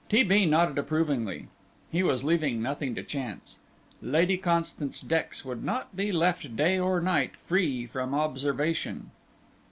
T. B. nodded approvingly; he was leaving nothing to chance. Lady Constance Dex would not be left day or night free from observation.